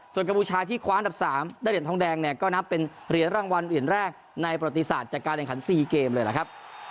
ส่วนกัมพูชาที่คว้าอันดับ๓ได้เหรียญทองแดงเนี่ยก็นับเป็นเหรียญรางวัลเหรียญแรกในประติศาสตร์จากการแข่งขัน๔เกมเลยล่ะครับ